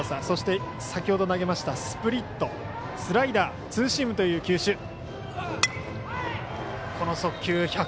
そして、先ほど投げましたスプリットスライダーツーシームという球種。